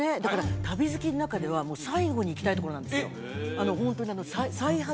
旅好きの中では最後に行きたいところなんですよ